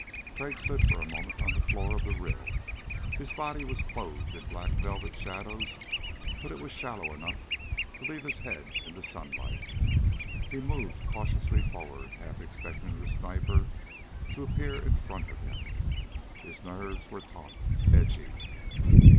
Crag stood for a moment on the floor of the rill. His body was clothed in black velvet shadows but it was shallow enough to leave his head in the sunlight. He moved cautiously forward, half expecting the sniper to appear in front of him. His nerves were taut, edgy.